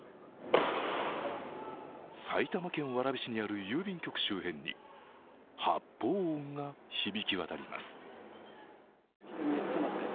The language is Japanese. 埼玉県蕨市にある郵便局周辺に発砲音が響きわたります。